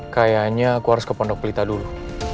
kayaknya aku harus ke pondok pelita dulu